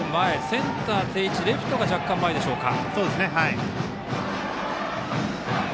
センター、定位置レフトが若干、前でしょうか。